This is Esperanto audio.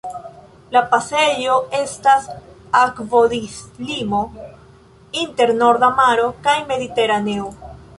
La pasejo estas akvodislimo inter Norda Maro kaj Mediteraneo.